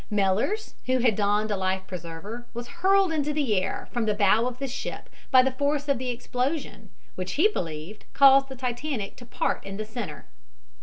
Mellers, who had donned a life preserver, was hurled into the air, from the bow of the ship by the force of the explosion, which he believed caused the Titanic to part in the center.